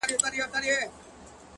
زده کړه د عمر له پولې خلاصه ده